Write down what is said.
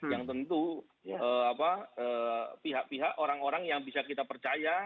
yang tentu pihak pihak orang orang yang bisa kita percaya